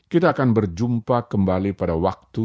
kita akan berjumpa kembali pada waktu